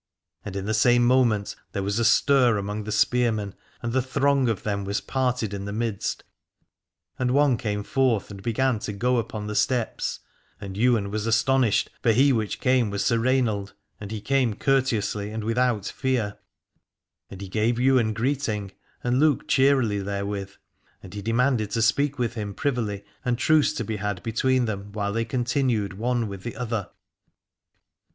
And in the same moment there was a stir among the spearmen and the throng of them was parted in the midst and one came forth and began to go upon the steps. And Ywain was astonished, for he which came was Sir Rainald, and he came courteously and without fear. And he gave Ywain greeting, and looked cheerily there with ; and he demanded to speak with him privily, and truce to be had between them while they continued one with the other.